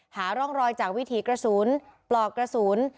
หาร่องรอยจากวิถีกระสุนปลอกกระสุน